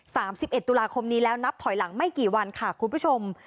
สิบเอ็ดตุลาคมนี้แล้วนับถอยหลังไม่กี่วันค่ะคุณผู้ชม